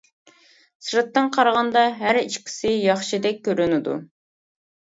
سىرتتىن قارىغاندا، ھەر ئىككىسى ياخشىدەك كۆرۈنىدۇ.